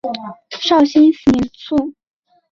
绍兴四年卒。